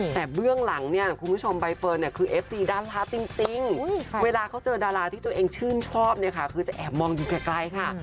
แต่เบื้องหลังเนี่ยคุณผู้ชมใบเฟิร์นเนี่ยคือเอฟซีดาราจริงเวลาเขาเจอดาราที่ตัวเองชื่นชอบเนี่ยค่ะคือจะแอบมองอยู่ไกลค่ะ